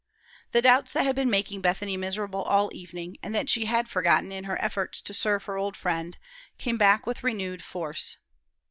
The doubts that had been making Bethany miserable all evening, and that she had forgotten in her efforts to serve her old friend, came back with renewed force.